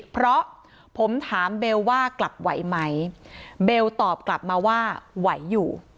เพราะผมถามเบลว่ากลับไหวไหมเบลตอบกลับมาว่าไหวอยู่